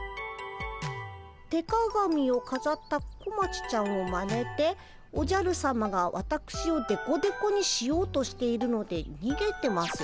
「手鏡をかざった小町ちゃんをまねておじゃるさまがわたくしをデコデコにしようとしているのでにげてます」。